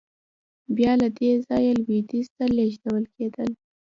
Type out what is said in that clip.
بیا له دې ځایه لوېدیځ ته لېږدول کېدل.